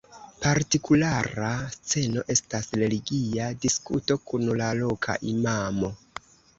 Partikulara sceno estas religia diskuto kun la loka imamo.